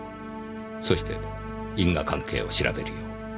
そして因果関係を調べるよう進言します。